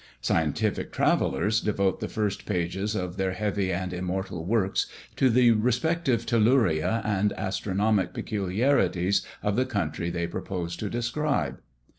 Scientific travellers devote the first pages of their heavy and immortal works to the respective telluria and astronomic peculiarities of the country they propose to describe.